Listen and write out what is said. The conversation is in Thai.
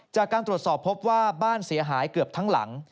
จากการตรวจสอบพบว่าบ้านเสียหายเกือบทั้งหลัง